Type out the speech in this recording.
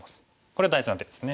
これ大事な手ですね。